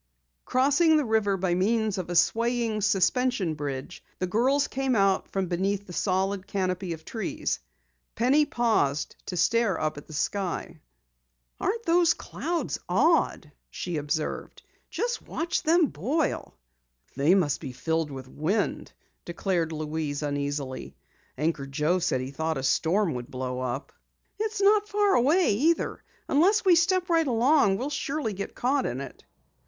Crossing the river by means of a swaying, suspension bridge, the girls came out from beneath the solid canopy of trees. Penny paused to stare up at the sky. "Aren't those clouds odd?" she observed. "Just watch them boil!" "They must be filled with wind," declared Louise uneasily. "Anchor Joe said he thought a storm would blow up." "It's not far away either. Unless we step right along, we'll surely get caught in it."